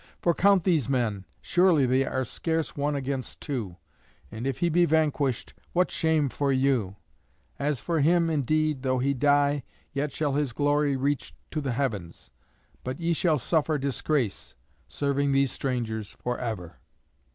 For count these men: surely they are scarce one against two. And if he be vanquished, what shame for you! As for him, indeed, though he die, yet shall his glory reach to the heavens; but ye shall suffer disgrace, serving these strangers for ever."